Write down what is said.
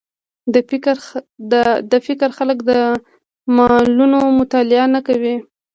د فکر خلک د لاملونو مطالعه نه کوي